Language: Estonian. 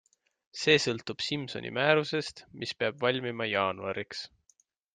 See sõltub Simsoni määrusest, mis peab valmima jaanuariks.